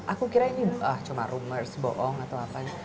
aku kira ini cuma rumours bohong atau apa